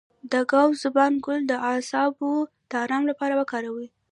د ګاو زبان ګل د اعصابو د ارام لپاره وکاروئ